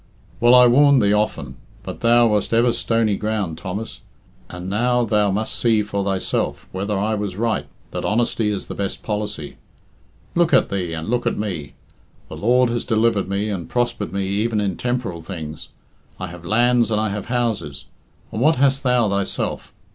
Well, I warned thee often. But thou wast ever stony ground, Thomas. And now thou must see for thyself whether was I right that honesty is the better policy. Look at thee, and look at me. The Lord has delivered me, and prospered me even in temporal things. I have lands and I have houses. And what hast thou thyself?